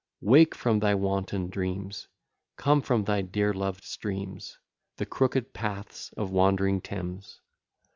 Wake from thy wanton dreams, Come from thy dear loved streams, The crooked paths of wandering Thames.